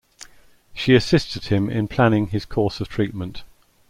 She assisted him in planning his course of treatment.